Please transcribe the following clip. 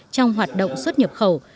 trong hoạt động xuất nhập khẩu